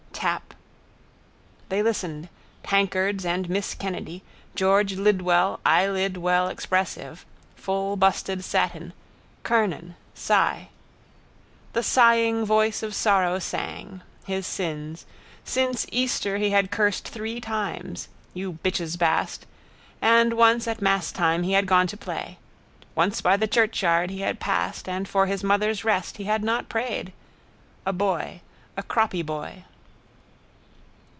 Tap. They listened. Tankards and miss Kennedy. George Lidwell, eyelid well expressive, fullbusted satin. Kernan. Si. The sighing voice of sorrow sang. His sins. Since Easter he had cursed three times. You bitch's bast. And once at masstime he had gone to play. Once by the churchyard he had passed and for his mother's rest he had not prayed. A boy. A croppy boy.